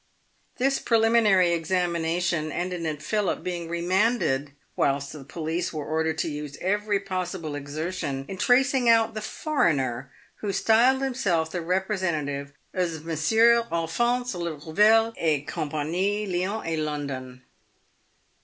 This preliminary examination ended in Philip being remanded whilst the police were ordered to use every possible exertion in tracing out the foreigner who styled himself the representative of Messieurs " Alphonse Lerouville et C !% Lyons and London."